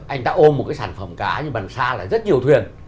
anh ta ôm một cái sản phẩm cá nhưng bằng xa là rất nhiều thuyền